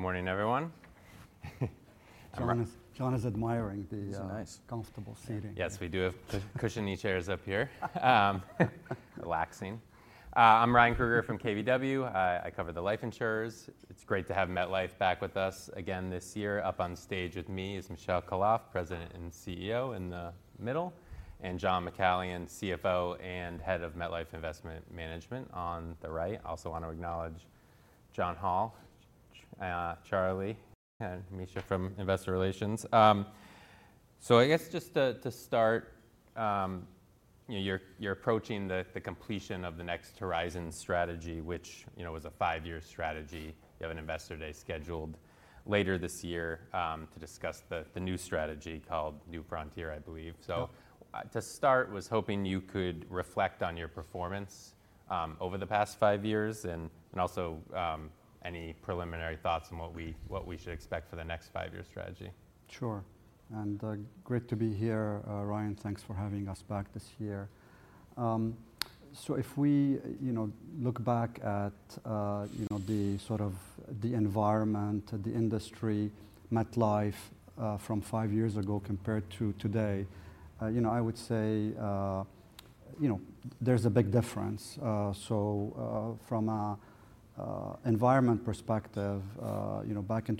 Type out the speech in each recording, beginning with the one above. Good morning, everyone. John is admiring the comfortable seating. Nice Yes, we do have cushy chairs up here. Relaxing. I'm Ryan Krueger from KBW. I cover the life insurers. It's great to have MetLife back with us again this year. Up on stage with me is Michel Khalaf, President and CEO, in the middle, and John McCallion, CFO and Head of MetLife Investment Management, on the right. I also want to acknowledge John Hall, Charlie, and Misha from Investor Relations. So I guess just to start, you know, you're approaching the completion of the Next Horizon strategy, which, you know, was a five-year strategy. You have an Investor Day scheduled later this year, to discuss the new strategy, called New Frontier, I believe. Yeah. So, to start, was hoping you could reflect on your performance over the past five years, and also any preliminary thoughts on what we should expect for the next five-year strategy. Sure, and great to be here, Ryan. Thanks for having us back this year. So if we, you know, look back at, you know, the sort of environment, the industry, MetLife, from five years ago compared to today, you know, I would say, you know, there's a big difference. So, from an environment perspective, you know, back in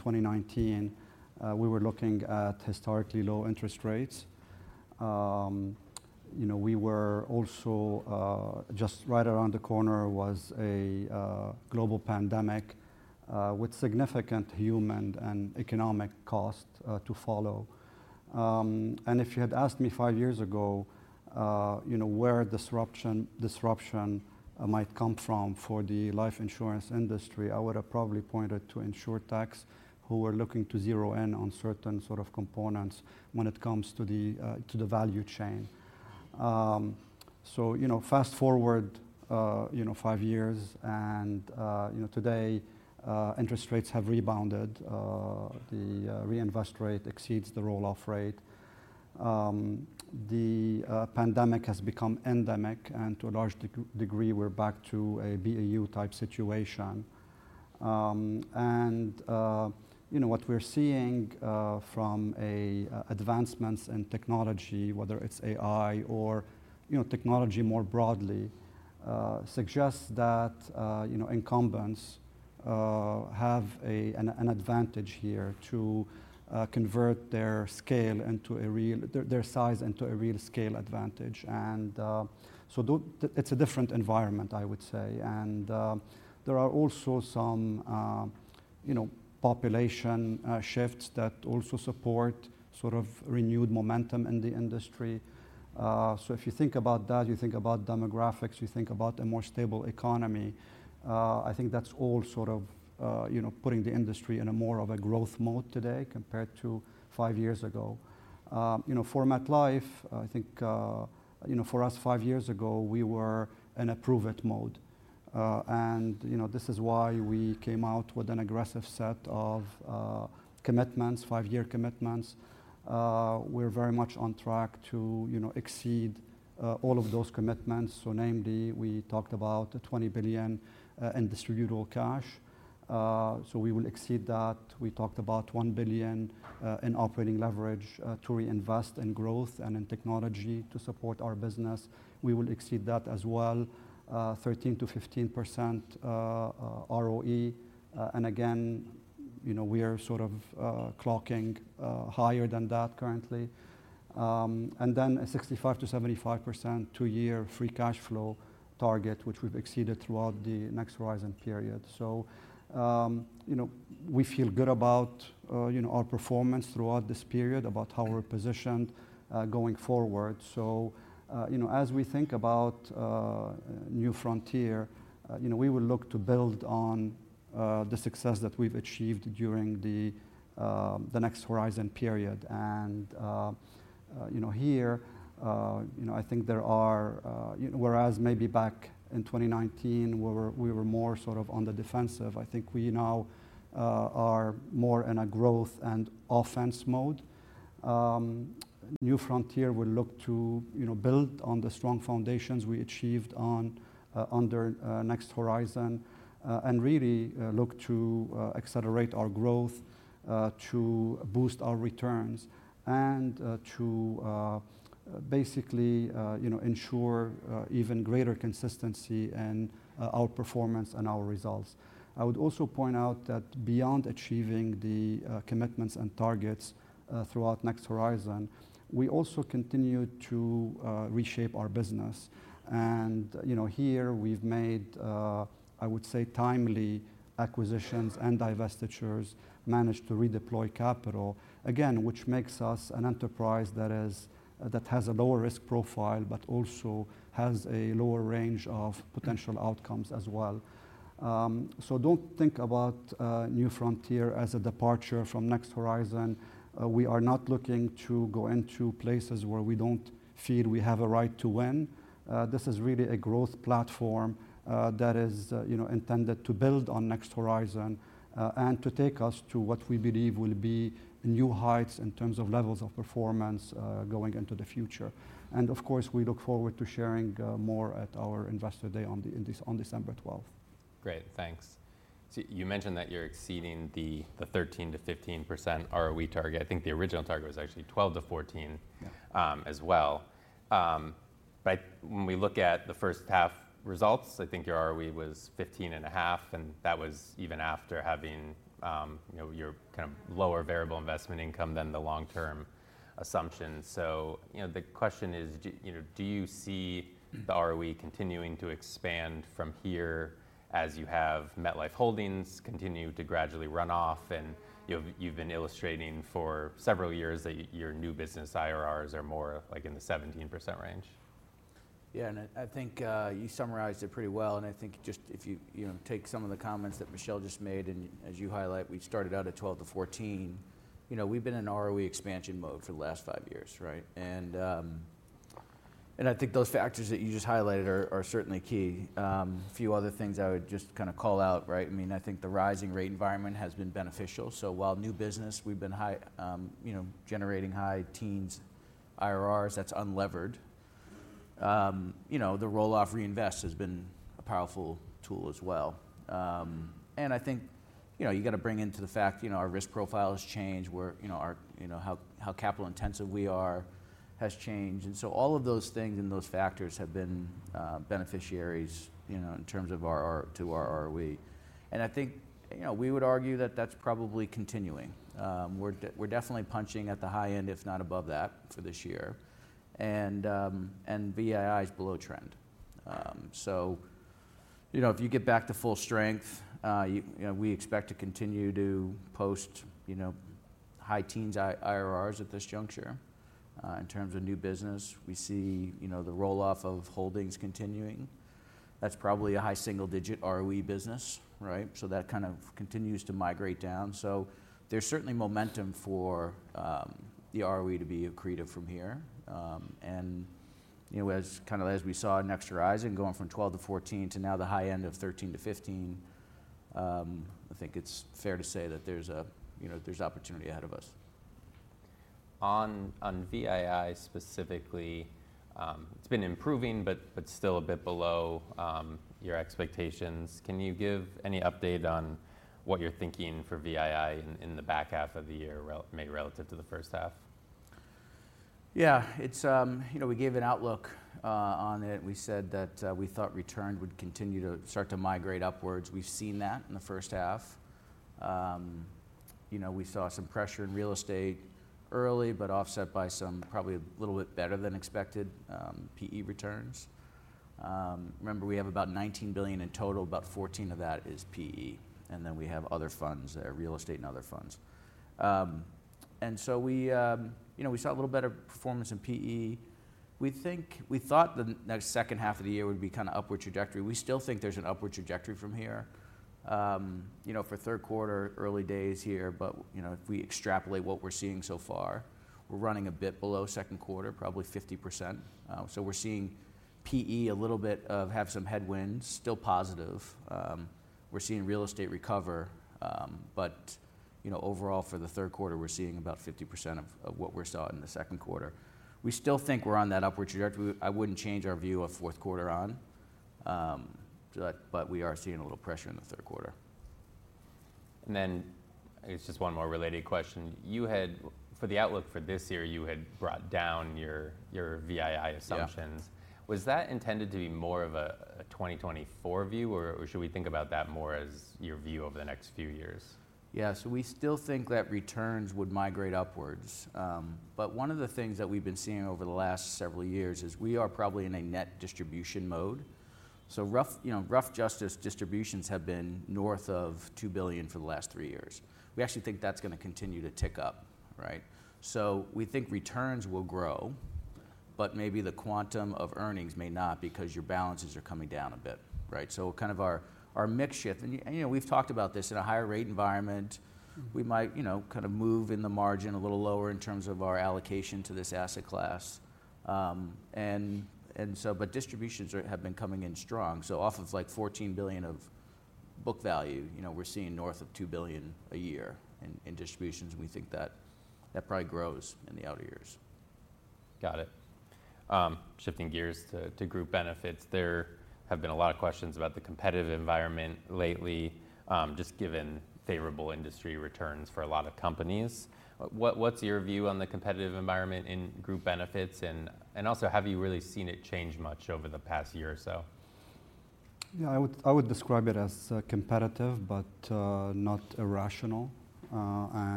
twenty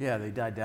nineteen,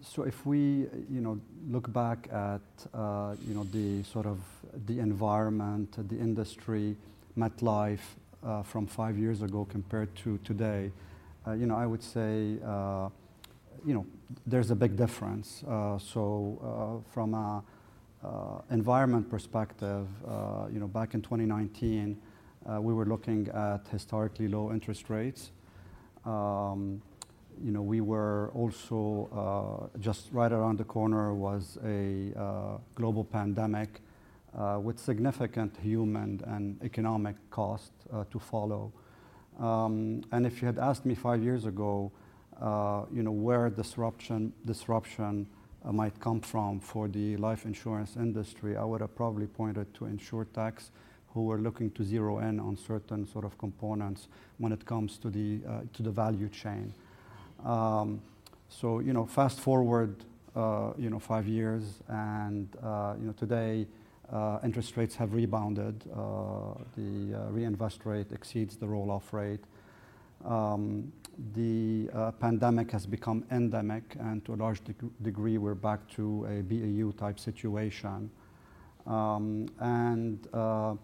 we were looking at historically low interest rates. You know, we were also... Just right around the corner was a global pandemic, with significant human and economic cost, to follow. And if you had asked me five years ago, you know, where disruption might come from for the life insurance industry, I would have probably pointed to InsurTechs who were looking to zero in on certain sort of components when it comes to the, to the value chain. So, you know, fast-forward, you know, five years and, you know, today, interest rates have rebounded. The, reinvest rate exceeds the roll-off rate. The, pandemic has become endemic, and to a large degree, we're back to a BAU-type situation. You know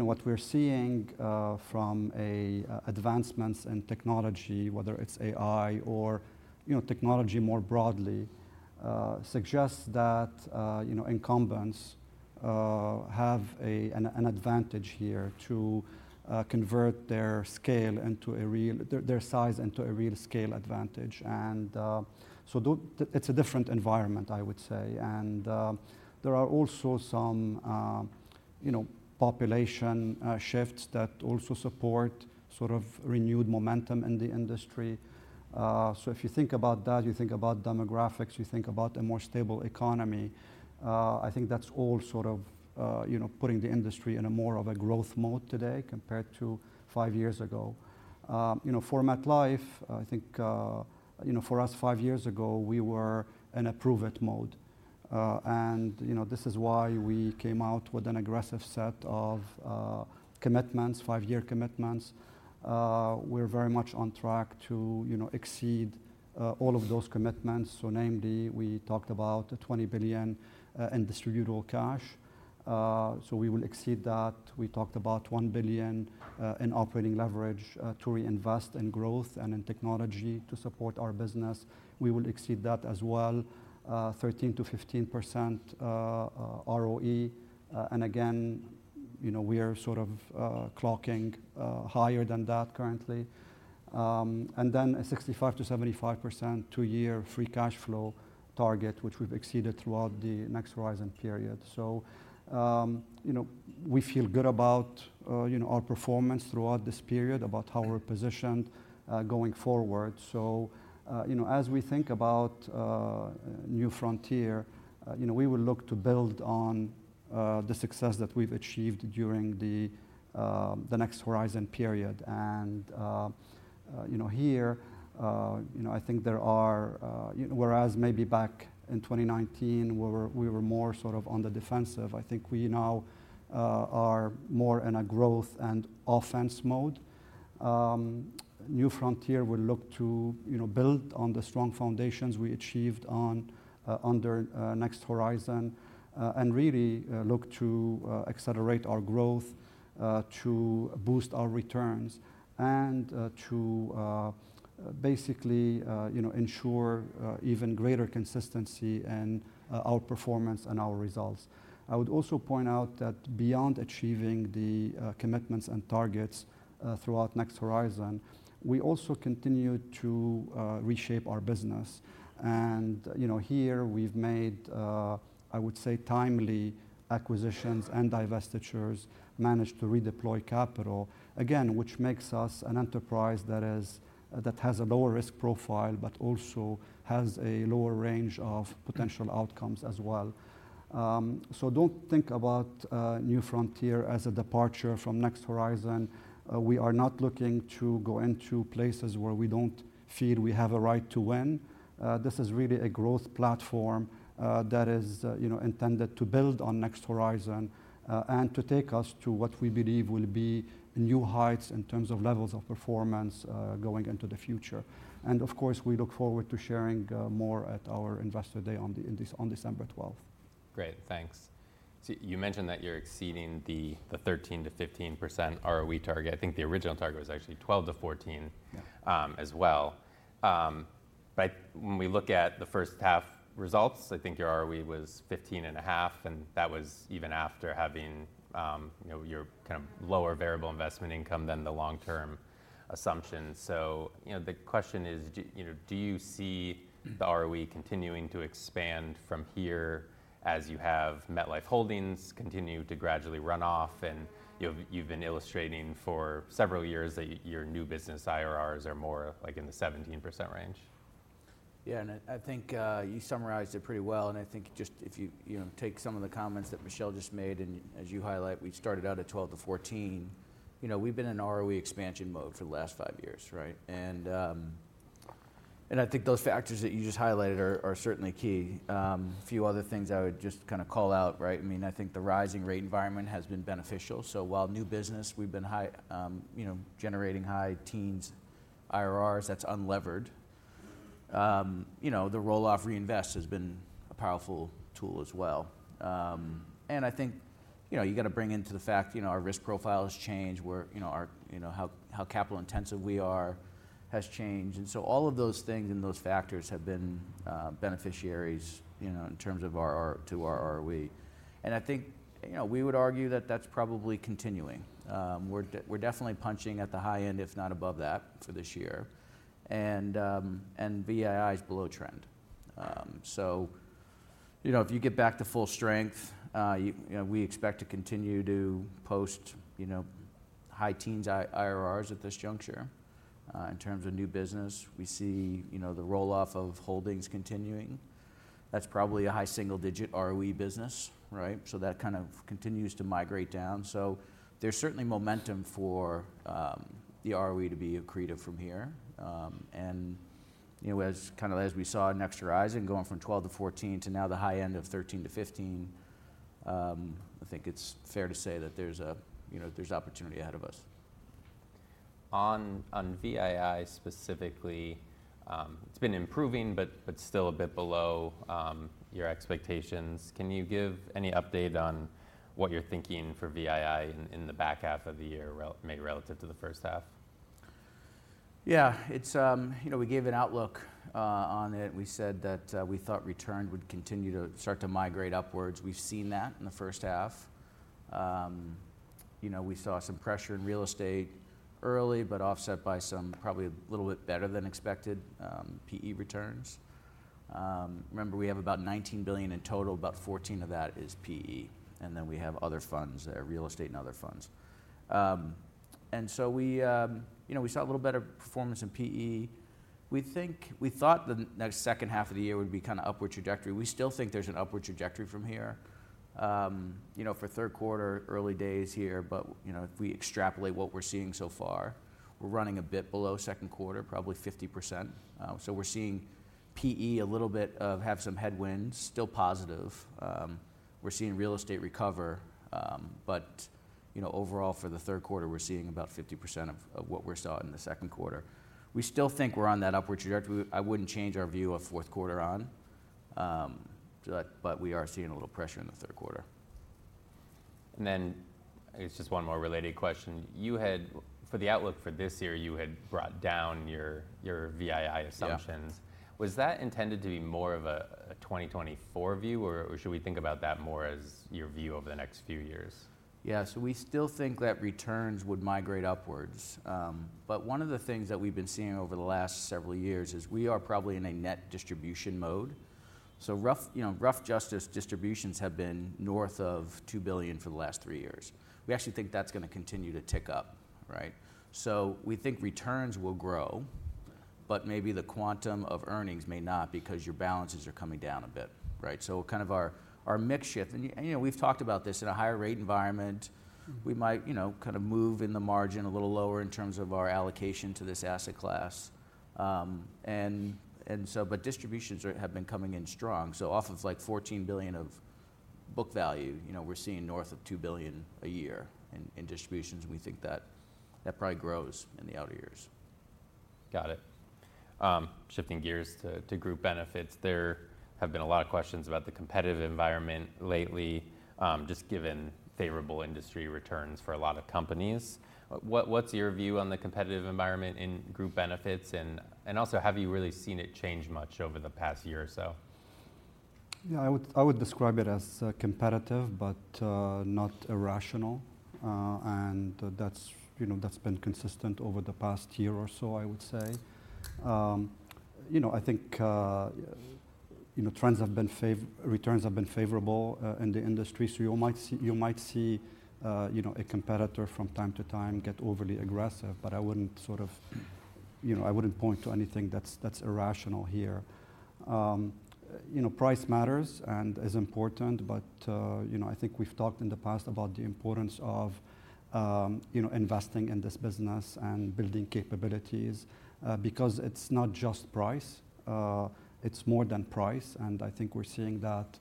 what we're seeing from advancements in technology, whether it's AI or, you know, technology more broadly, suggests that, you know, incumbents have an advantage here to convert their size into a real scale advantage. It's a different environment, I would say. There are also some, you know, population shifts that also support sort of renewed momentum in the industry. If you think about that, you think about demographics, you think about a more stable economy, I think that's all sort of, you know, putting the industry in more of a growth mode today compared to five years ago. You know, for MetLife, I think, you know, for us, five years ago, we were in a prove-it mode, and you know, this is why we came out with an aggressive set of commitments, five-year commitments. We're very much on track to, you know, exceed all of those commitments, so namely, we talked about $20 billion in distributable cash, so we will exceed that. We talked about $1 billion in operating leverage to reinvest in growth and in technology to support our business. We will exceed that as well. Thirteen to 15% ROE, and again, you know, we are sort of clocking higher than that currently, and then a 65%-75% two-year free cash flow target, which we've exceeded throughout the Next Horizon period. So, you know, we feel good about, you know, our performance throughout this period, about how we're positioned, going forward, so, you know, as we think about New Frontier, you know, we will look to build on the success that we've achieved during the Next Horizon period, and, you know, here, you know, I think there are... Whereas maybe back in 2019, we were more sort of on the defensive, I think we now are more in a growth and offense mode. New Frontier will look to, you know, build on the strong foundations we achieved under Next Horizon, and really look to accelerate our growth to boost our returns, and to basically, you know, ensure even greater consistency in our performance and our results. I would also point out that beyond achieving the commitments and targets throughout Next Horizon, we also continued to reshape our business, and you know, here we've made, I would say, timely acquisitions and divestitures, managed to redeploy capital, again, which makes us an enterprise that has a lower risk profile, but also has a lower range of potential outcomes as well, so don't think about New Frontier as a departure from Next Horizon. We are not looking to go into places where we don't feel we have a right to win. This is really a growth platform that is, you know, intended to build on Next Horizon, and to take us to what we believe will be new heights in terms of levels of performance, going into the future, and of course, we look forward to sharing more at our Investor Day on December 12th. Great, thanks. So you mentioned that you're exceeding the 13%-15% ROE target. I think the original target was actually 12%-14%. Yeah When we look at the first half results, I think your ROE was 15.5, and that was even after having, you know, your kind of lower variable investment income than the long-term assumptions. So, you know, the question is, do, you know, do you see the ROE continuing to expand from here as you have MetLife Holdings continue to gradually run off? And, you know, you've been illustrating for several years that your new business IRRs are more like in the 17% range. Yeah, and I think you summarized it pretty well, and I think just if you, you know, take some of the comments that Michel just made, and as you highlight, we started out at 12%-14%. You know, we've been in ROE expansion mode for the last five years, right? And I think those factors that you just highlighted are certainly key. A few other things I would just kinda call out, right? I mean, I think the rising rate environment has been beneficial. So while new business, we've been high, you know, generating high-teens IRRs, that's unlevered. You know, the roll-off reinvest has been a powerful tool as well. And I think, you know, you got to bring into the fact, you know, our risk profile has changed, where, you know, our... You know, how capital intensive we are has changed. And so all of those things and those factors have been beneficiaries, you know, in terms of our ROE. And I think, you know, we would argue that that's probably continuing. We're definitely punching at the high end, if not above that, for this year. And VII is below trend. So, you know, if you get back to full strength, you know, we expect to continue to post, you know, high teens IRRs at this juncture. In terms of new business, we see, you know, the roll-off of holdings continuing. That's probably a high single-digit ROE business, right? So that kind of continues to migrate down. So there's certainly momentum for the ROE to be accretive from here. You know, as we saw in Next Horizon, going from 12-14 to now the high end of 13-15, I think it's fair to say that there's, you know, opportunity ahead of us. On VII specifically, it's been improving, but still a bit below your expectations. Can you give any update on what you're thinking for VII in the back half of the year, maybe relative to the first half? Yeah, it's you know, we gave an outlook on it. We said that we thought return would continue to start to migrate upwards. We've seen that in the first half. You know, we saw some pressure in real estate early, but offset by some probably a little bit better than expected PE returns. Remember, we have about $19 billion in total, about $14 billion of that is PE, and then we have other funds, real estate, and other funds. And so we you know, we saw a little better performance in PE. We think- we thought the next second half of the year would be kind of upward trajectory. We still think there's an upward trajectory from here. You know, for third quarter, early days here, but, you know, if we extrapolate what we're seeing so far, we're running a bit below second quarter, probably 50%. So we're seeing PE a little bit of have some headwinds, still positive. We're seeing real estate recover, but, you know, overall, for the third quarter, we're seeing about 50% of what we saw in the second quarter. We still think we're on that upward trajectory. I wouldn't change our view of fourth quarter on, but we are seeing a little pressure in the third quarter. And then it's just one more related question. For the outlook for this year, you had brought down your VII assumptions. Yeah. Was that intended to be more of a 2024 view, or should we think about that more as your view over the next few years? Yeah. So we still think that returns would migrate upwards. But one of the things that we've been seeing over the last several years is we are probably in a net distribution mode. So rough, you know, rough justice distributions have been north of $2 billion for the last three years. We actually think that's going to continue to tick up, right? So we think returns will grow, but maybe the quantum of earnings may not because your balances are coming down a bit, right? So kind of our mix shift, and you know, we've talked about this in a higher rate environment, we might, you know, kind of move in the margin a little lower in terms of our allocation to this asset class. And so but distributions are have been coming in strong. So off of like $14 billion of book value, you know, we're seeing north of $2 billion a year in distributions, and we think that probably grows in the outer years. Got it. Shifting gears to group benefits, there have been a lot of questions about the competitive environment lately, just given favorable industry returns for a lot of companies. What's your view on the competitive environment in group benefits? And also, have you really seen it change much over the past year or so? Yeah, I would describe it as competitive, but not irrational. And that's, you know, that's been consistent over the past year or so, I would say. You know, I think, you know, returns have been favorable in the industry. So you might see, you know, a competitor from time to time get overly aggressive, but I wouldn't, you know, I wouldn't point to anything that's irrational here. You know, price matters and is important, but, you know, I think we've talked in the past about the importance of, you know, investing in this business and building capabilities, because it's not just price, it's more than price, and I think we're seeing that,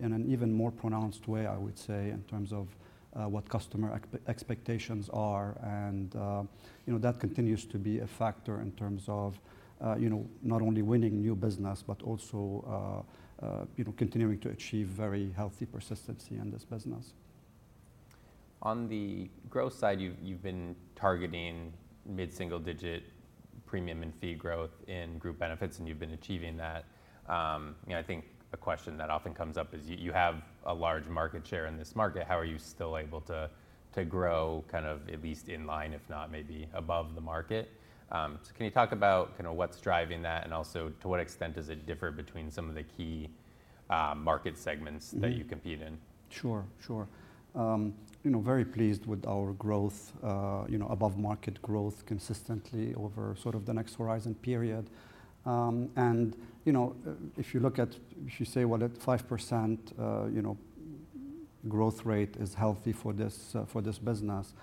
in an even more pronounced way, I would say, in terms of, what customer expectations are, and you know, that continues to be a factor in terms of, you know, not only winning new business, but also, you know, continuing to achieve very healthy persistency in this business. On the growth side, you've been targeting mid-single digit premium and fee growth in group benefits, and you've been achieving that. You know, I think a question that often comes up is you have a large market share in this market, how are you still able to grow kind of at least in line, if not maybe above the market? So can you talk about kinda what's driving that, and also to what extent does it differ between some of the key market segments that you compete in? Sure, sure. You know, very pleased with our growth, you know, above market growth consistently over sort of the Next Horizon period. And, you know, if you look at, if you say, well, at 5%, you know, growth rate is healthy for this business.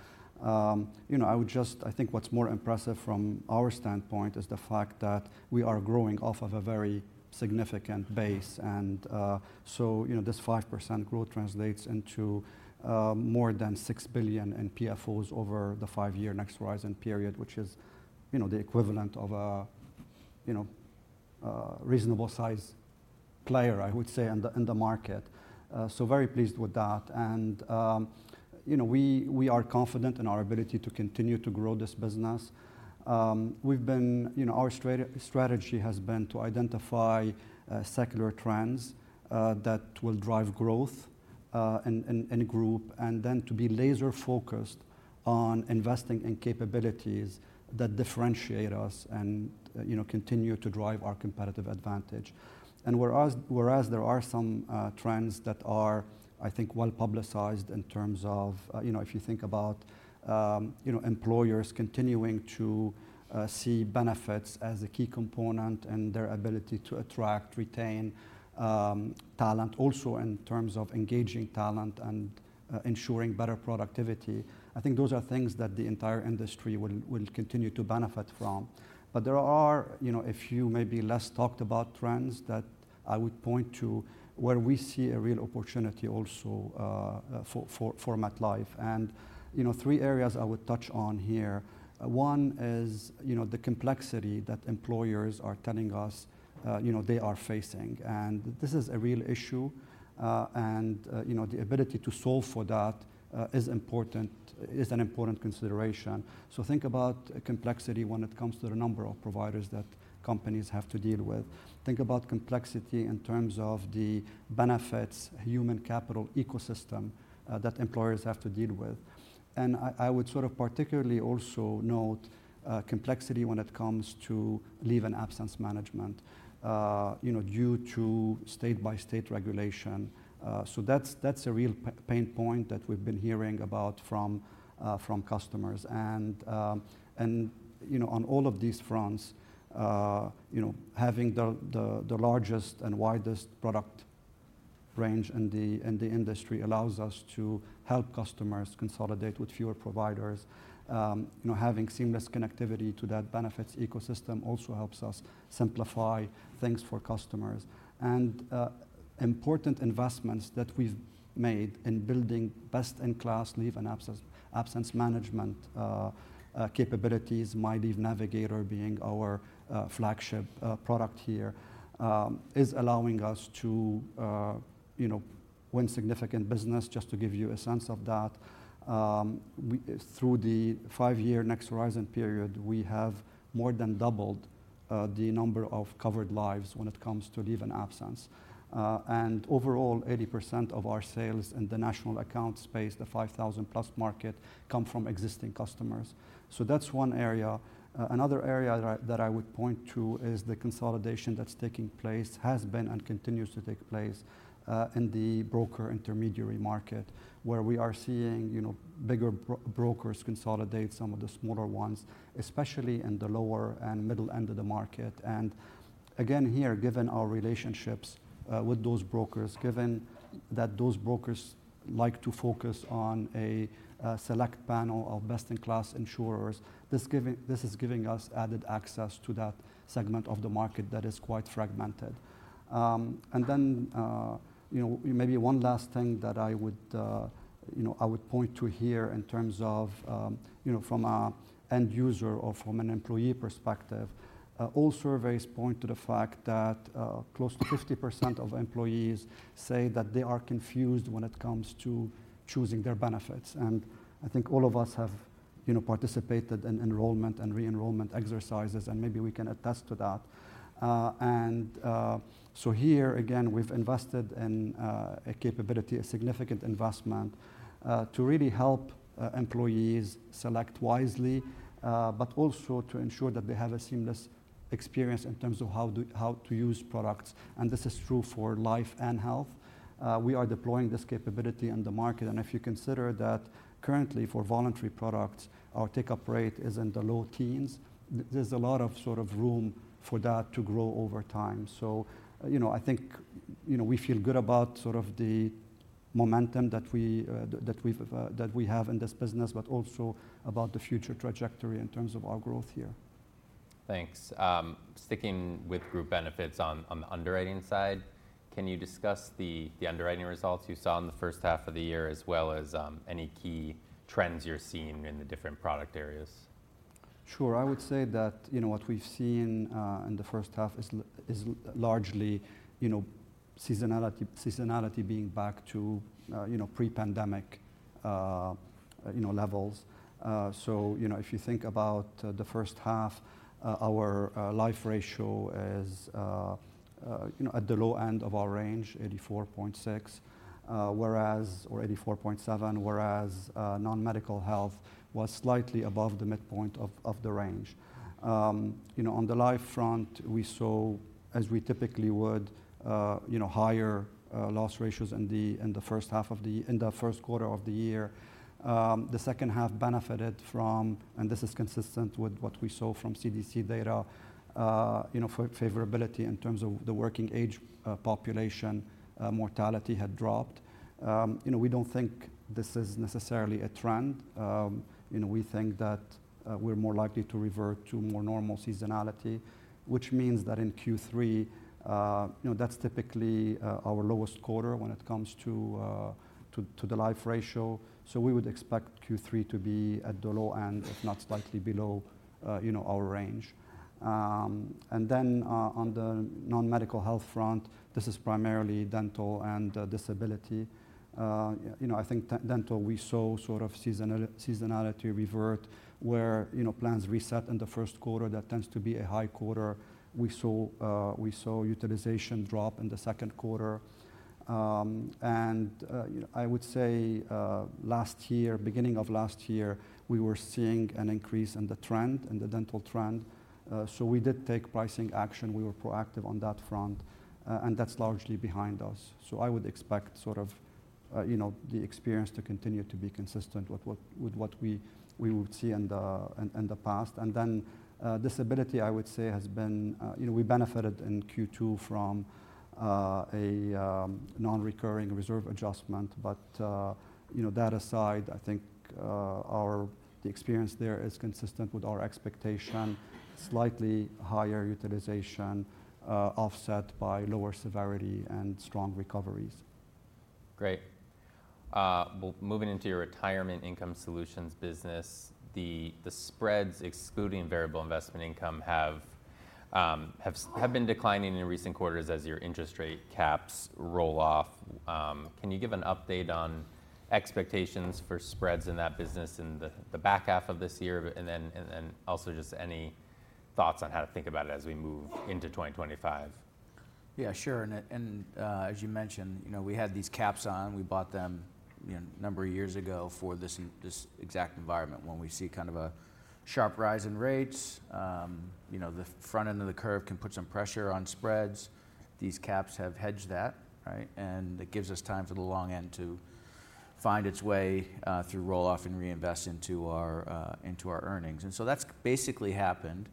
You know, I would just, I think what's more impressive from our standpoint is the fact that we are growing off of a very significant base. And, so, you know, this 5% growth translates into, more than $6 billion in PFOs over the five-year Next Horizon period, which is, you know, the equivalent of a, you know, a reasonable size player, I would say, in the market. So very pleased with that. And, you know, we are confident in our ability to continue to grow this business. We've been. You know, our strategy has been to identify secular trends that will drive growth in Group, and then to be laser-focused on investing in capabilities that differentiate us and, you know, continue to drive our competitive advantage. And whereas there are some trends that are, I think, well-publicized in terms of, you know, if you think about, you know, employers continuing to see benefits as a key component in their ability to attract, retain talent, also in terms of engaging talent and ensuring better productivity, I think those are things that the entire industry will continue to benefit from. But there are, you know, a few maybe less talked about trends that I would point to, where we see a real opportunity also for MetLife. You know, three areas I would touch on here. One is, you know, the complexity that employers are telling us, you know, they are facing. This is a real issue, and, you know, the ability to solve for that is an important consideration. Think about complexity when it comes to the number of providers that companies have to deal with. Think about complexity in terms of the benefits human capital ecosystem that employers have to deal with. I would sort of particularly also note complexity when it comes to leave and absence management, you know, due to state-by-state regulation. That's a real pain point that we've been hearing about from customers. You know, on all of these fronts, you know, having the largest and widest product range in the industry allows us to help customers consolidate with fewer providers. You know, having seamless connectivity to that benefits ecosystem also helps us simplify things for customers. Important investments that we've made in building best-in-class leave and absence management capabilities, My Leave Navigator being our flagship product here, is allowing us to win significant business. Just to give you a sense of that, through the five-year Next Horizon period, we have more than doubled the number of covered lives when it comes to leave and absence. Overall, 80% of our sales in the national accounts space, the 5,000-plus market, come from existing customers. So that's one area. Another area that I would point to is the consolidation that's taking place, has been and continues to take place, in the broker intermediary market, where we are seeing, you know, bigger brokers consolidate some of the smaller ones, especially in the lower and middle end of the market. And again, here, given our relationships, with those brokers, given that those brokers like to focus on a select panel of best-in-class insurers, this is giving us added access to that segment of the market that is quite fragmented. And then, you know, maybe one last thing that I would, you know, I would point to here in terms of, you know, from an end user or from an employee perspective, all surveys point to the fact that close to 50% of employees say that they are confused when it comes to choosing their benefits. And I think all of us have, you know, participated in enrollment and re-enrollment exercises, and maybe we can attest to that. And so here, again, we've invested in a capability, a significant investment to really help employees select wisely, but also to ensure that they have a seamless experience in terms of how to use products. And this is true for life and health. We are deploying this capability in the market, and if you consider that currently for voluntary products, our take-up rate is in the low teens, there's a lot of sort of room for that to grow over time. So, you know, I think, you know, we feel good about sort of the momentum that we have in this business, but also about the future trajectory in terms of our growth here. Thanks. Sticking with group benefits on the underwriting side, can you discuss the underwriting results you saw in the first half of the year, as well as any key trends you're seeing in the different product areas? Sure, I would say that, you know, what we've seen in the first half is largely, you know, seasonality being back to, you know, pre-pandemic levels. So, you know, if you think about the first half, our loss ratio is, you know, at the low end of our range, 84.6%, or 84.7%, whereas non-medical health was slightly above the midpoint of the range. You know, on the life front, we saw, as we typically would, you know, higher loss ratios in the first quarter of the year. The second half benefited from, and this is consistent with what we saw from CDC data, you know, for favorability in terms of the working age population, mortality had dropped. You know, we don't think this is necessarily a trend. You know, we think that, we're more likely to revert to more normal seasonality, which means that in Q3, you know, that's typically, our lowest quarter when it comes to, to the life ratio. So we would expect Q3 to be at the low end, if not slightly below, you know, our range. And then, on the non-medical health front, this is primarily dental and, disability. You know, I think dental, we saw sort of seasonality revert where, you know, plans reset in the first quarter. That tends to be a high quarter. We saw utilization drop in the second quarter, and I would say last year, beginning of last year, we were seeing an increase in the trend, in the dental trend, so we did take pricing action. We were proactive on that front, and that's largely behind us, so I would expect sort of you know the experience to continue to be consistent with what we would see in the past, and then disability I would say has been you know we benefited in Q2 from a non-recurring reserve adjustment. But you know that aside I think our experience there is consistent with our expectation. Slightly higher utilization offset by lower severity and strong recoveries. Great. Well, moving into your retirement income solutions business, the spreads, excluding variable investment income, have been declining in recent quarters as your interest rate caps roll off. Can you give an update on expectations for spreads in that business in the back half of this year? And then, also just any thoughts on how to think about it as we move into twenty twenty-five? Yeah, sure. And as you mentioned, you know, we had these caps on. We bought them, you know, a number of years ago for this exact environment. When we see kind of a sharp rise in rates, you know, the front end of the curve can put some pressure on spreads. These caps have hedged that, right? And it gives us time for the long end to find its way through roll-off and reinvest into our earnings. And so that's basically happened.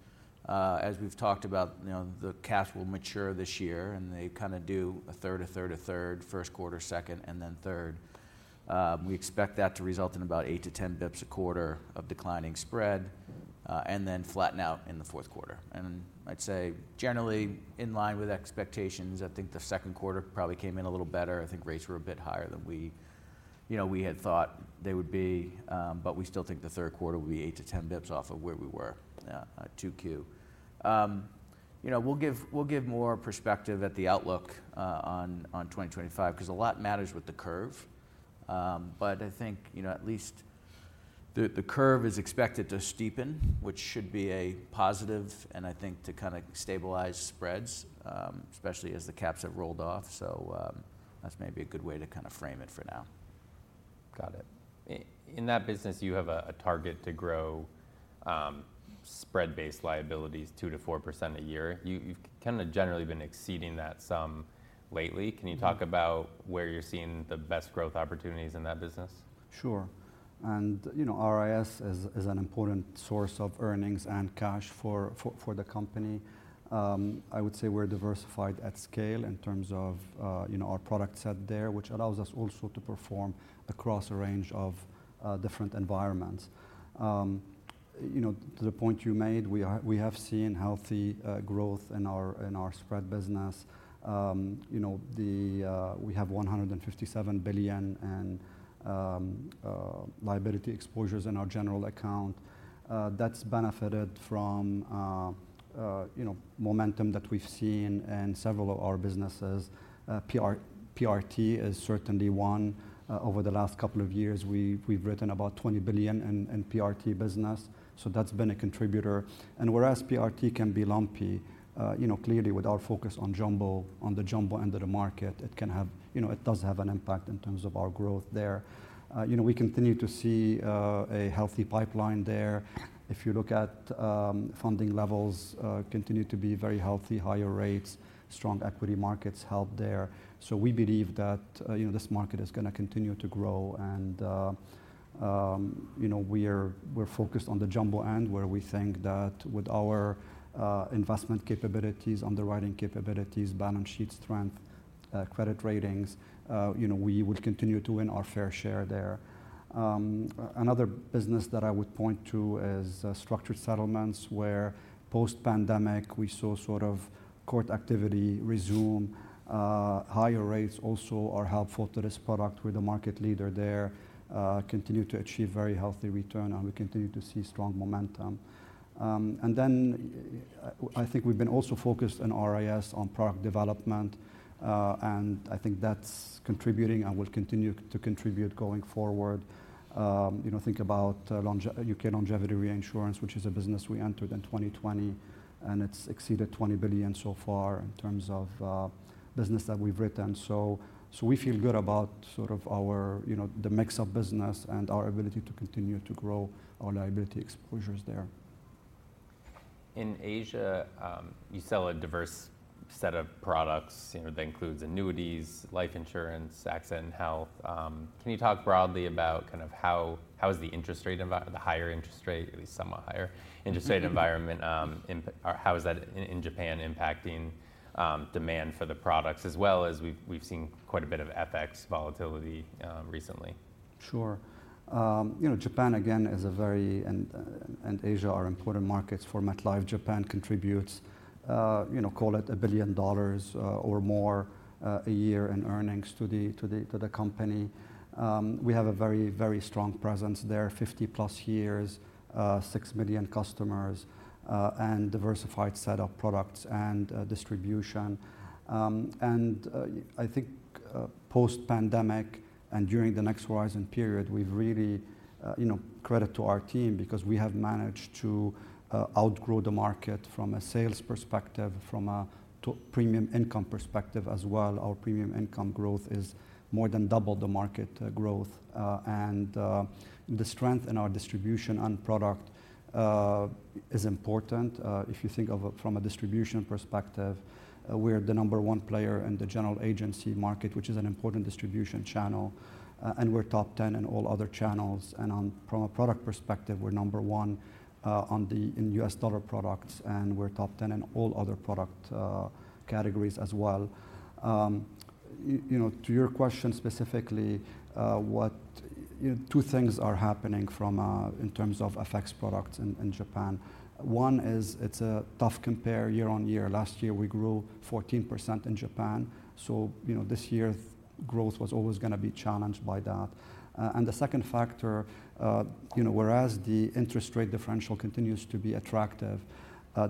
As we've talked about, you know, the cash will mature this year, and they kinda do a third, a third, a third, first quarter, second, and then third. We expect that to result in about eight to 10 basis points a quarter of declining spread, and then flatten out in the fourth quarter. And I'd say generally in line with expectations. I think the second quarter probably came in a little better. I think rates were a bit higher than we, you know, we had thought they would be, but we still think the third quarter will be eight to 10 basis points off of where we were at 2Q. You know, we'll give more perspective at the outlook on twenty twenty-five, 'cause a lot matters with the curve. But I think, you know, at least the curve is expected to steepen, which should be a positive and I think to kinda stabilize spreads, especially as the caps have rolled off. So, that's maybe a good way to kinda frame it for now. Got it. In that business, you have a target to grow spread-based liabilities 2%-4% a year. You've kind of generally been exceeding that sum lately. Can you talk about where you're seeing the best growth opportunities in that business? Sure. And you know, RIS is an important source of earnings and cash for the company. I would say we're diversified at scale in terms of you know, our product set there, which allows us also to perform across a range of different environments. You know, to the point you made, we are. We have seen healthy growth in our spread business. You know, we have $157 billion in liability exposures in our general account. That's benefited from you know, momentum that we've seen in several of our businesses. PRT is certainly one. Over the last couple of years, we've written about $20 billion in PRT business, so that's been a contributor. Whereas PRT can be lumpy, you know, clearly with our focus on jumbo, on the jumbo end of the market, it can have you know, it does have an impact in terms of our growth there. You know, we continue to see a healthy pipeline there. If you look at funding levels, continue to be very healthy, higher rates, strong equity markets help there. So we believe that you know, this market is gonna continue to grow, and you know, we're focused on the jumbo end, where we think that with our investment capabilities, underwriting capabilities, balance sheet strength, credit ratings, you know, we will continue to win our fair share there. Another business that I would point to is structured settlements, where post-pandemic, we saw sort of court activity resume. Higher rates also are helpful to this product. We're the market leader there. We continue to achieve very healthy return, and we continue to see strong momentum. And then, I think we've been also focused on RAS, on product development, and I think that's contributing and will continue to contribute going forward. You know, think about UK Longevity Reinsurance, which is a business we entered in 2020, and it's exceeded $20 billion so far in terms of business that we've written. So we feel good about sort of our, you know, the mix of business and our ability to continue to grow our liability exposures there. In Asia, you sell a diverse set of products, you know, that includes annuities, life insurance, accident health. Can you talk broadly about kind of how the higher interest rate, at least somewhat higher interest rate environment, or how is that in Japan impacting demand for the products as well as we've seen quite a bit of FX volatility recently? Sure. You know, Japan and Asia are important markets for MetLife. Japan contributes, you know, call it $1 billion or more a year in earnings to the company. We have a very, very strong presence there, 50-plus years, 6 million customers, and diversified set of products and distribution. And I think post-pandemic, and during the Next Horizon period, we've really, you know, credit to our team because we have managed to outgrow the market from a sales perspective, from a premium income perspective as well. Our premium income growth is more than double the market growth. And the strength in our distribution and product is important. If you think of it from a distribution perspective, we're the number one player in the general agency market, which is an important distribution channel, and we're top ten in all other channels. And from a product perspective, we're number one in the US dollar products, and we're top ten in all other product categories as well. You know, to your question specifically, two things are happening in terms of FX products in Japan. One is it's a tough compare year on year. Last year, we grew 14% in Japan, so, you know, this year's growth was always gonna be challenged by that. and the second factor, you know, whereas the interest rate differential continues to be attractive,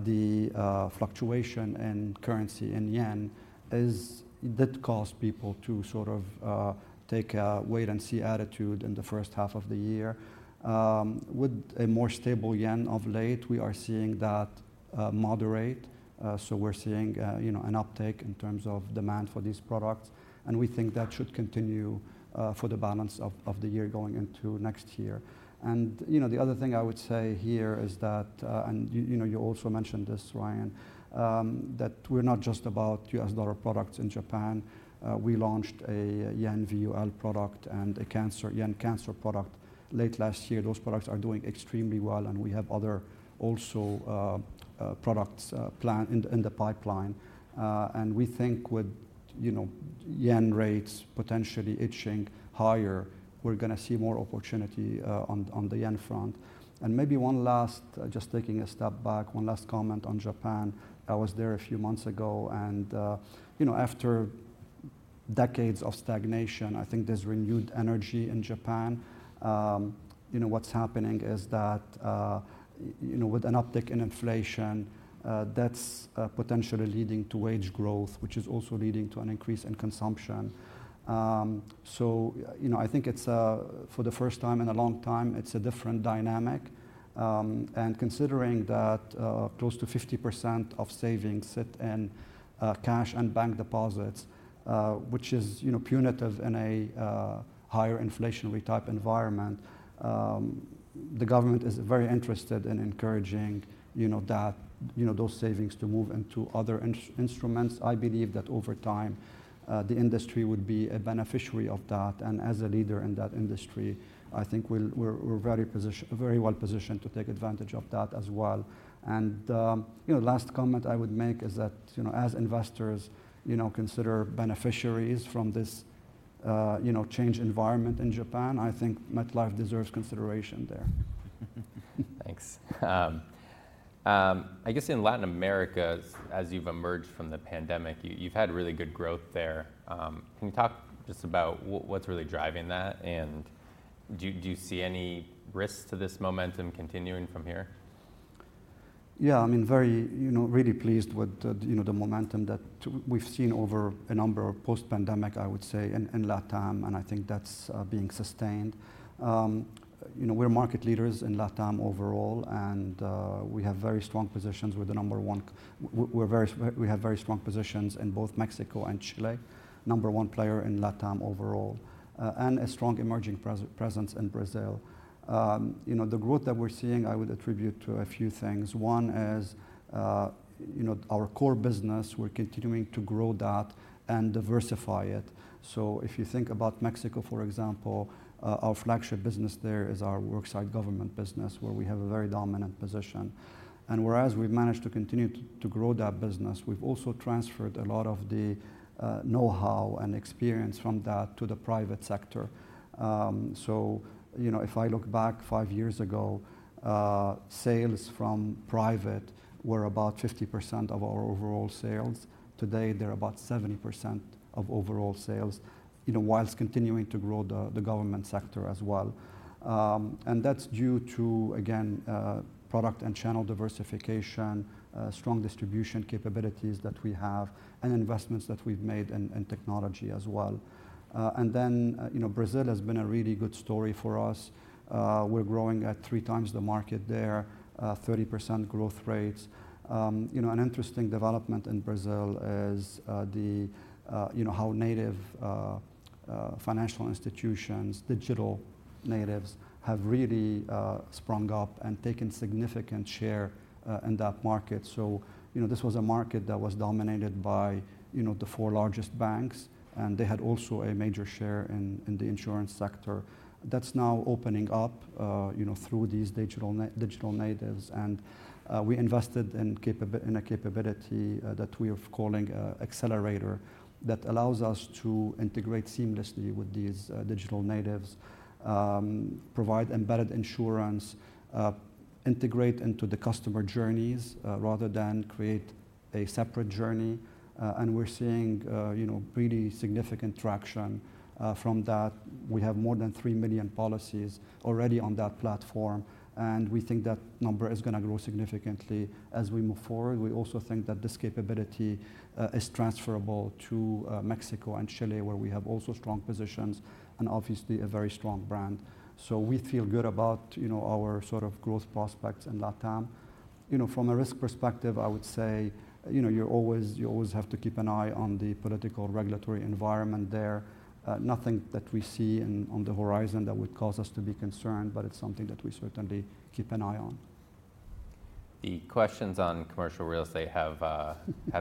the fluctuation in currency and yen did cause people to sort of take a wait-and-see attitude in the first half of the year. With a more stable yen of late, we are seeing that moderate. So we're seeing, you know, an uptake in terms of demand for these products, and we think that should continue for the balance of the year going into next year. And, you know, the other thing I would say here is that, and you know you also mentioned this, Ryan, that we're not just about U.S. dollar products in Japan. We launched a yen VUL product and a yen cancer product late last year. Those products are doing extremely well, and we also have other products planned in the pipeline. And we think with you know yen rates potentially edging higher, we're gonna see more opportunity on the yen front, and maybe one last just taking a step back, one last comment on Japan. I was there a few months ago, and you know after decades of stagnation, I think there's renewed energy in Japan. You know what's happening is that you know with an uptick in inflation that's potentially leading to wage growth, which is also leading to an increase in consumption, so you know I think it's for the first time in a long time, it's a different dynamic. And considering that, close to 50% of savings sit in, cash and bank deposits, which is, you know, punitive in a, higher inflationary type environment, the government is very interested in encouraging, you know, that, you know, those savings to move into other instruments. I believe that over time, the industry would be a beneficiary of that. And as a leader in that industry, I think we're very well positioned to take advantage of that as well. And, you know, last comment I would make is that, you know, as investors, you know, consider beneficiaries from this, you know, change environment in Japan, I think MetLife deserves consideration there. Thanks. I guess in Latin America, as you've emerged from the pandemic, you've had really good growth there. Can you talk just about what's really driving that, and do you see any risks to this momentum continuing from here? Yeah, I mean, very, you know, really pleased with the, you know, the momentum that we've seen over a number of post-pandemic, I would say, in Latam, and I think that's being sustained. You know, we're market leaders in Latam overall, and we have very strong positions. We're the number one-- we're very, we have very strong positions in both Mexico and Chile, number one player in Latam overall, and a strong emerging presence in Brazil. You know, the growth that we're seeing, I would attribute to a few things. One is, you know, our core business, we're continuing to grow that and diversify it. So if you think about Mexico, for example, our flagship business there is our worksite government business, where we have a very dominant position. And whereas we've managed to continue to grow that business, we've also transferred a lot of the know-how and experience from that to the private sector. You know, if I look back five years ago, sales from private were about 50% of our overall sales. Today, they're about 70% of overall sales, you know, whilst continuing to grow the government sector as well. And that's due to, again, product and channel diversification, strong distribution capabilities that we have, and investments that we've made in technology as well. And then, you know, Brazil has been a really good story for us. We're growing at three times the market there, 30% growth rates. You know, an interesting development in Brazil is the, you know, how native financial institutions, digital natives, have really sprung up and taken significant share in that market. So, you know, this was a market that was dominated by, you know, the four largest banks, and they had also a major share in the insurance sector. That's now opening up, you know, through these digital natives. And we invested in a capability that we are calling Accelerator, that allows us to integrate seamlessly with these digital natives, provide embedded insurance, integrate into the customer journeys rather than create a separate journey. And we're seeing, you know, pretty significant traction from that. We have more than three million policies already on that platform, and we think that number is gonna grow significantly as we move forward. We also think that this capability is transferable to Mexico and Chile, where we have also strong positions and obviously a very strong brand. So we feel good about, you know, our sort of growth prospects in LatAm. You know, from a risk perspective, I would say, you know, you always have to keep an eye on the political regulatory environment there. Nothing that we see in, on the horizon that would cause us to be concerned, but it's something that we certainly keep an eye on. The questions on commercial real estate have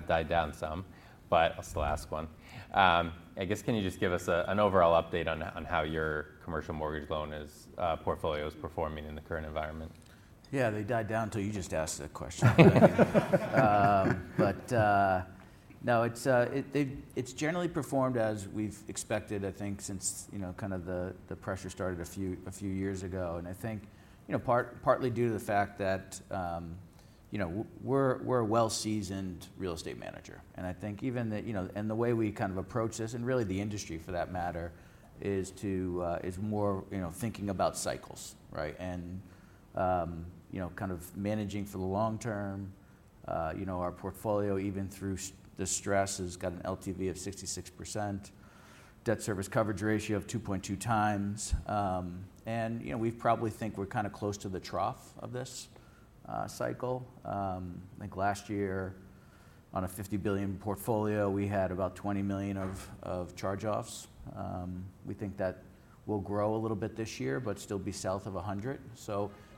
died down some, but I'll still ask one. I guess, can you just give us an overall update on how your commercial mortgage loan portfolio is performing in the current environment? Yeah, they died down till you just asked that question. But no, it's generally performed as we've expected, I think since you know kind of the pressure started a few years ago. And I think you know partly due to the fact that you know we're a well-seasoned real estate manager. And I think even you know the way we kind of approach this, and really the industry for that matter, is more you know thinking about cycles, right? And you know kind of managing for the long term. You know, our portfolio, even through this stress, has got an LTV of 66%, debt service coverage ratio of 2.2x. And you know, we probably think we're kinda close to the trough of this cycle. I think last year, on a $50 billion portfolio, we had about $20 million of charge-offs. We think that will grow a little bit this year, but still be south of $100 million.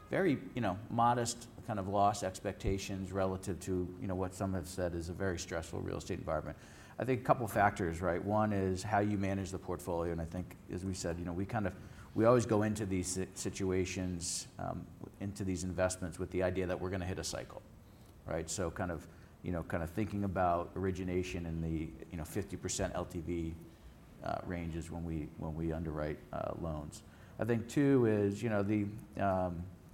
So very, you know, modest kind of loss expectations relative to, you know, what some have said is a very stressful real estate environment. I think a couple factors, right? One is how you manage the portfolio, and I think as we said, you know, we kind of, we always go into these situations, into these investments with the idea that we're gonna hit a cycle, right? So kind of, you know, kind of thinking about origination in the, you know, 50% LTV ranges when we, when we underwrite, loans. I think, two is, you know,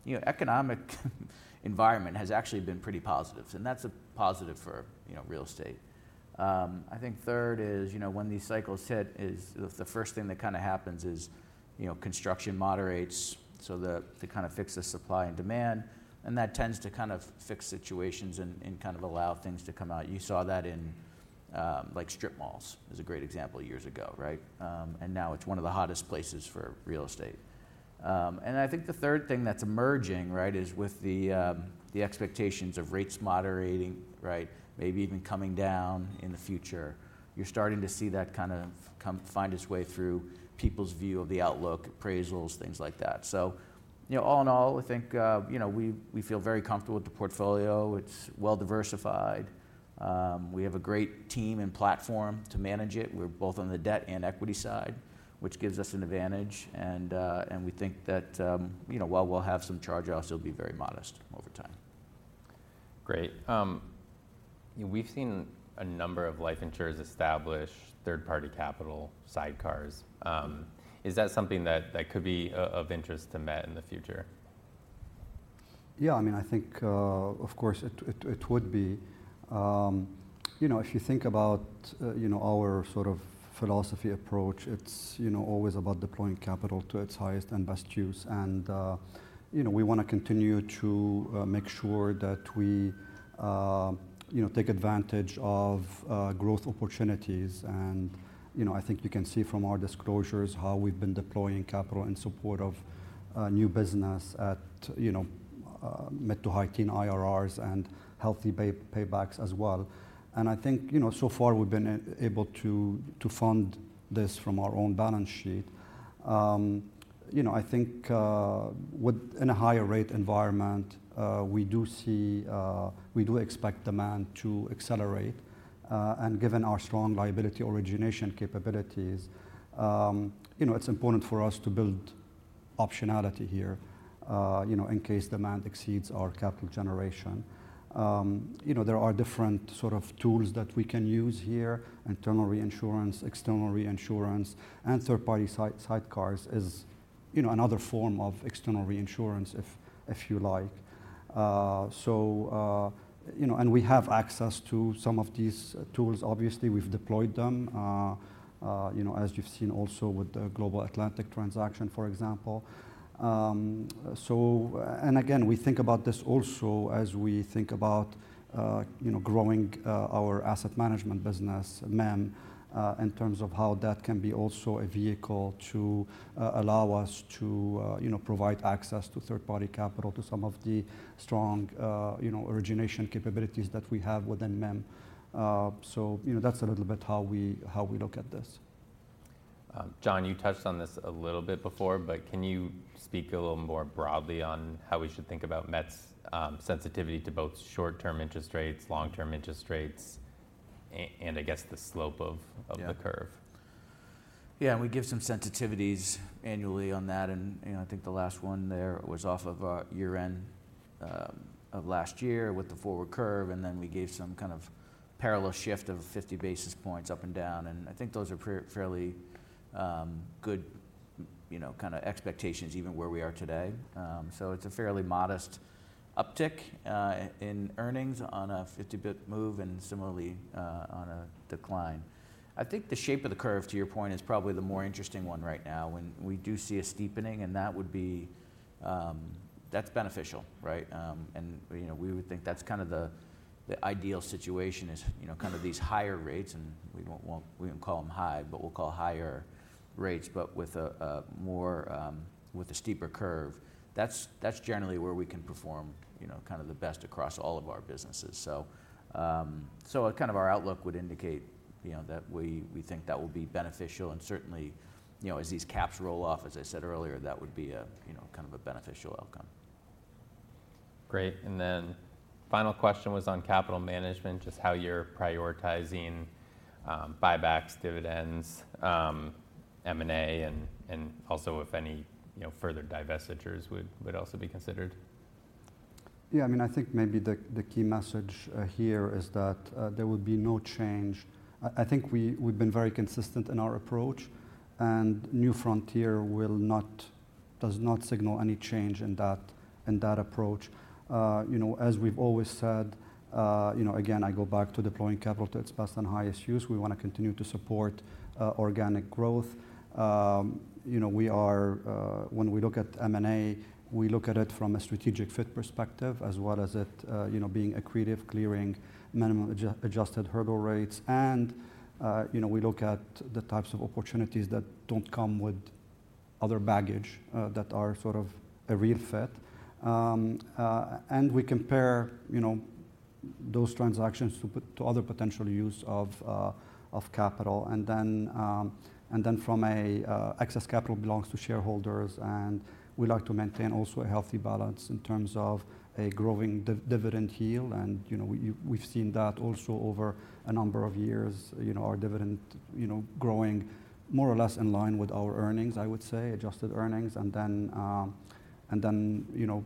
the, economic environment has actually been pretty positive, and that's a positive for, you know, real estate. I think third is, you know, when these cycles hit, is the, the first thing that kinda happens is, you know, construction moderates, so that to kind of fix the supply and demand, and that tends to kind of fix situations and, and kind of allow things to come out. You saw that in, like strip malls is a great example years ago, right? And I think the third thing that's emerging, right, is with the, the expectations of rates moderating, right? Maybe even coming down in the future. You're starting to see that kind of come, find its way through people's view of the outlook, appraisals, things like that. So, you know, all in all, I think, we feel very comfortable with the portfolio. It's well diversified. We have a great team and platform to manage it. We're both on the debt and equity side, which gives us an advantage, and we think that, you know, while we'll have some charge-offs, it'll be very modest over time. Great. We've seen a number of life insurers establish third-party capital sidecars. Is that something that could be of interest to Met in the future? Yeah, I mean, I think, of course, it would be. You know, if you think about, you know, our sort of philosophy approach, it's, you know, always about deploying capital to its highest and best use. And, you know, we wanna continue to make sure that we, you know, take advantage of growth opportunities. And, you know, I think you can see from our disclosures how we've been deploying capital in support of new business at, you know, mid to high teen IRRs and healthy paybacks as well. And I think, you know, so far we've been able to fund this from our own balance sheet. You know, I think, in a higher rate environment, we do see, we do expect demand to accelerate. And given our strong liability origination capabilities, you know, it's important for us to build optionality here. You know, in case demand exceeds our capital generation. You know, there are different sort of tools that we can use here, internal reinsurance, external reinsurance, and third-party sidecars is, you know, another form of external reinsurance if you like. So, you know, and we have access to some of these tools. Obviously, we've deployed them, you know, as you've seen also with the Global Atlantic transaction, for example. So, and again, we think about this also as we think about, you know, growing our asset management business, MIM, in terms of how that can be also a vehicle to allow us to, you know, provide access to third-party capital, to some of the strong, you know, origination capabilities that we have within MIM. So, you know, that's a little bit how we look at this. John, you touched on this a little bit before, but can you speak a little more broadly on how we should think about MetLife's sensitivity to both short-term interest rates, long-term interest rates, and I guess the slope of the curve? Yeah. Yeah, and we give some sensitivities annually on that, and, you know, I think the last one there was off of our year-end of last year with the forward curve, and then we gave some kind of parallel shift of 50 basis points up and down, and I think those are fairly good, you know, kind of expectations, even where we are today. So it's a fairly modest uptick in earnings on a 50 basis point move and similarly on a decline. I think the shape of the curve, to your point, is probably the more interesting one right now. When we do see a steepening, and that would be. That's beneficial, right? And, you know, we would think that's kind of the ideal situation is, you know, kind of these higher rates, and we don't call them high, but we'll call higher rates, but with a steeper curve. That's generally where we can perform, you know, kind of the best across all of our businesses. So, kind of our outlook would indicate, you know, that we think that will be beneficial, and certainly, you know, as these caps roll off, as I said earlier, that would be, you know, kind of a beneficial outcome. Great, and then final question was on capital management, just how you're prioritizing buybacks, dividends, and also if any, you know, further divestitures would also be considered. Yeah, I mean, I think maybe the, the key message here is that there will be no change. I think we've been very consistent in our approach, and New Frontier will not, does not signal any change in that approach. You know, as we've always said, you know, again, I go back to deploying capital to its best and highest use. We want to continue to support organic growth. You know, we are, when we look at M&A, we look at it from a strategic fit perspective, as well as it, you know, being accretive, clearing minimum adjusted hurdle rates. And, you know, we look at the types of opportunities that don't come with other baggage, that are sort of a real fit. And we compare, you know, those transactions to other potential use of capital. And then from a excess capital belongs to shareholders, and we like to maintain also a healthy balance in terms of a growing dividend yield. And, you know, we've seen that also over a number of years, you know, our dividend, you know, growing more or less in line with our earnings, I would say, adjusted earnings. And then, you know,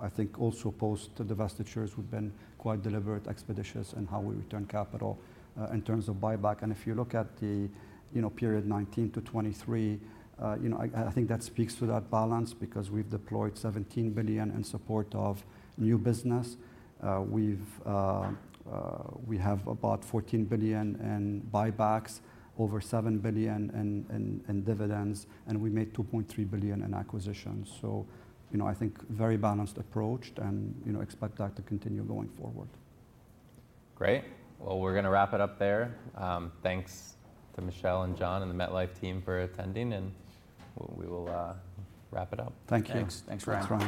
I think also post the divestitures, we've been quite deliberate, expeditious in how we return capital in terms of buyback. And if you look at the, you know, period 2019-2023, you know, I think that speaks to that balance because we've deployed $17 billion in support of new business. We have about $14 billion in buybacks, over $7 billion in dividends, and we made $2.3 billion in acquisitions, so you know, I think very balanced approach and, you know, expect that to continue going forward. Great. Well, we're gonna wrap it up there. Thanks to Michel and John and the MetLife team for attending, and we will wrap it up. Thank you. Thanks. Thanks, Ryan.